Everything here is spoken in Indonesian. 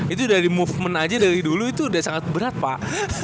itu dari movement aja dari dulu itu udah sangat berat pak